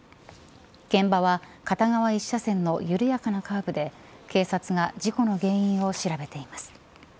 現場は片側１車線の緩やかなカーブで警察が事故の原因を調べています。